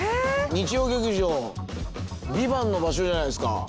日曜劇場「ＶＩＶＡＮＴ」の場所じゃないですか？